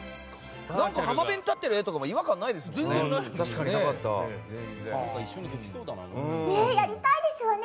浜辺に立ってる画とかも違和感なかったよね。